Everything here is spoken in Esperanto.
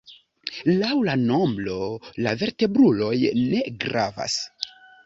Laŭ la nombro la vertebruloj ne gravas.